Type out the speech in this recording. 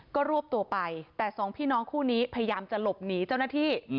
ก็รวบตัวไปแต่สองพี่น้องคู่นี้พยายามจะหลบหนีเจ้าหน้าที่